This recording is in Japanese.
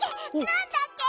なんだっけ？